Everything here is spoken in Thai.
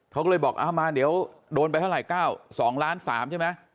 เขาก็เลยบอกมาเดี๋ยวโดนไปเท่าไหร่๙๒ล้าน๓ใช่ไหม